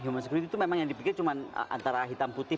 human security itu memang yang dipikir cuma antara hitam putih